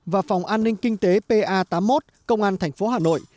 và phòng an ninh kinh tế pa tám mươi một công an tp hà nội